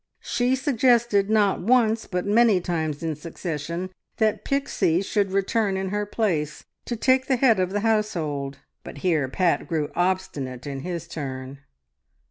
She suggested not once, but many times in succession, that Pixie should return in her place to take the head of the household, but here Pat grew obstinate in his turn.